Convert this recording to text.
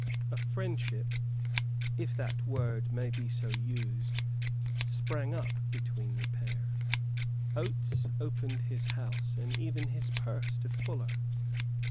A friendship, if that word may be so used, sprang up between the pair. Oates opened his house and even his purse to Fuller.